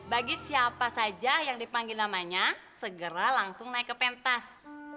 bagi siapa saja yang dipanggil namanya segera langsung naik ke pentas